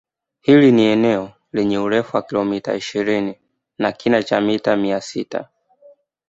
Hili ni eneo lenye urefu wa kilometa ishirini kina cha mita mia sita